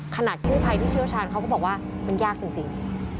ขนาดผู้ไพที่เชื่อชาญเขาก็บอกว่าเป็นยากจริง